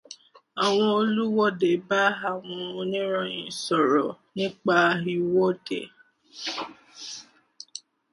Àwọn olùwọ́de bá àwọn oníròyìn sọrọ nípà ìwọ́de.